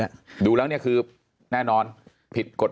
เพราะอาชญากรเขาต้องปล่อยเงิน